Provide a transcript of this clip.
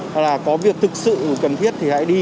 hoặc là có việc thực sự cần thiết thì hãy đi